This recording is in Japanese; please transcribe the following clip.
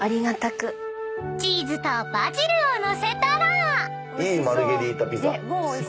［チーズとバジルを載せたら］いい。